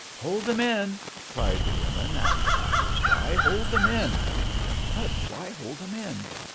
"Hold them in!" cried the women and the passers by. "Hold them in!" But why hold them in?